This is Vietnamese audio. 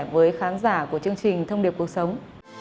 với khán giả của chương trình thông điệp cuộc sống